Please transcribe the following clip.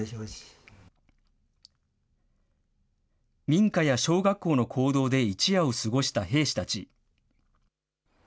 民家や小学校の講堂で一夜を過ごした兵士たち。